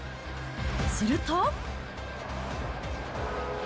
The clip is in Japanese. すると。